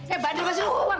eh bander kasih lu keluar